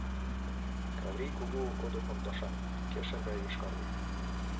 Каврий кугу одо пондашан, кешыр гай йошкарге.